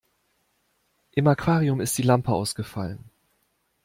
Im Aquarium ist die Lampe ausgefallen.